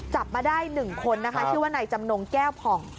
จับมาได้๑คนนะคะชื่อว่านายจำนงแก้วผ่อง